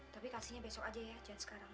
tapi kasihinnya besok aja ya jangan sekarang